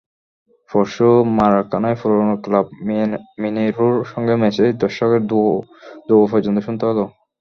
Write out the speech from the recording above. পরশু মারাকানায় পুরোনো ক্লাব মিনেইরোর সঙ্গে ম্যাচে দর্শকের দুয়ো পর্যন্ত শুনতে হলো।